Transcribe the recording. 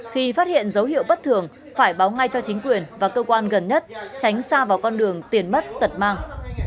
khi phát hiện dấu hiệu bất thường phải báo ngay cho chính quyền và cơ quan gần nhất tránh xa vào con đường tiền mất tật mang